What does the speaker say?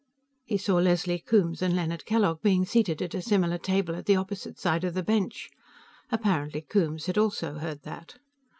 He saw Leslie Coombes and Leonard Kellogg being seated at a similar table at the opposite side of the bench. Apparently Coombes had also heard that.